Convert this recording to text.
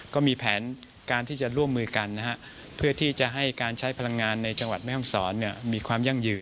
ก็มีแผนการที่จะร่วมมือกันนะฮะเพื่อที่จะให้การใช้พลังงานในจังหวัดแม่ห้องศรมีความยั่งยืน